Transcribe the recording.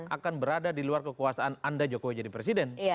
akan berada di luar kekuasaan anda jokowi jadi presiden